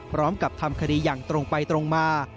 พร้อมกับทำคดีอย่างตรงไปตรงมา